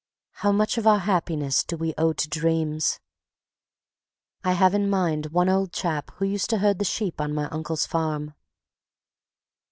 How much of our happiness do we owe to dreams? I have in mind one old chap who used to herd the sheep on my uncle's farm.